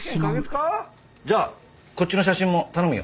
じゃあこっちの写真も頼むよ。